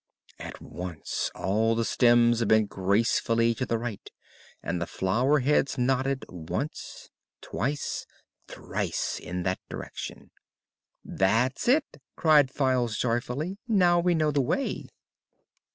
At once all the stems bent gracefully to the right and the flower heads nodded once twice thrice in that direction. "That's it!" cried Files joyfully. "Now we know the way."